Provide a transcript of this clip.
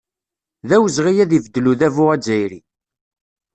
D awezɣi ad ibeddel udabu azzayri.